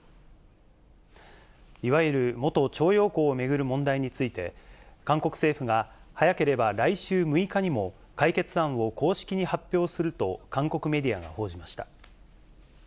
いわゆる元徴用工を巡る問題について、韓国政府が早ければ来週６日にも、解決案を公式に発表すると、韓国メディアが報じました。